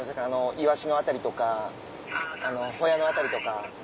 イワシの辺りとかホヤの辺りとか。